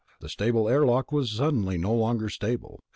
The stable airlock deck was suddenly no longer stable